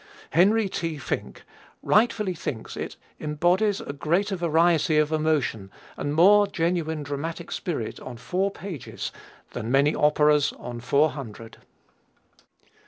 Henry T. Finck rightfully thinks it "embodies a greater variety of emotion and more genuine dramatic spirit on four pages than many operas on four hundred."